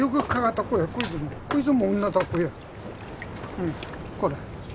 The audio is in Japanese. うんこれ。